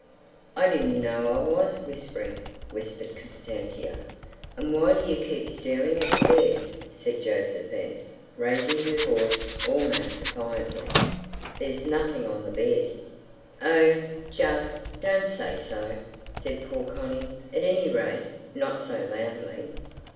"I didn't know I was whispering," whispered Constantia. "And why do you keep staring at the bed?" said Josephine, raising her voice almost defiantly. "There's nothing on the bed." "Oh, Jug, don't say so!" said poor Connie. "At any rate, not so loudly."